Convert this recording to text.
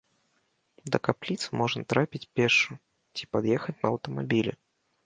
Да капліцы можна трапіць пешшу ці пад'ехаць на аўтамабілі.